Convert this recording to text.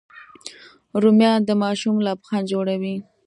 رومیان د ماشوم لبخند جوړوي